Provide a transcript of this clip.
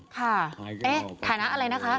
ค่ะเอ๊ะฐานะอะไรนะคะ